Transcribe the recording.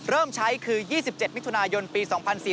เริ่มใช้คือ๒๗มิถุนายนปี๒๔๔